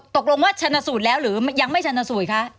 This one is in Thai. ตกลงว่าชนะสูตรแล้วหรือยังไม่ชันสูตรคะ